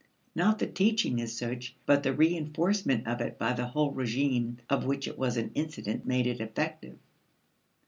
Not the teaching as such but the reinforcement of it by the whole regime of which it was an incident made it effective.